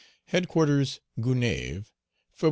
HEADQUARTERS GONAÏVES, Feb.